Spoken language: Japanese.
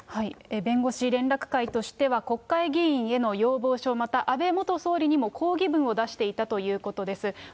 弁護士連絡会としては、国会議員への要望書、また安倍元総理にも抗議文を出していたということです。